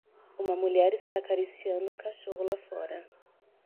Uma mulher está acariciando um cachorro lá fora.